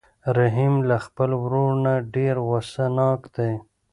رحیم له خپل ورور نه ډېر غوسه ناک دی.